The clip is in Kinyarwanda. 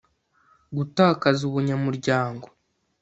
gutakaza ubunyamuryango